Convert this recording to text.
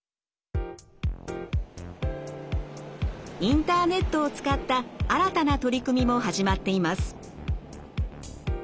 インターネットを使った新たな取り組みも始まっています。